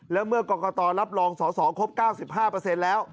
แล้วเมื่อกรกตรับรองสอสอครบ๙๕แล้ว